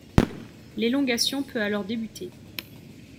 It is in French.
L'élongation peut alors débuter.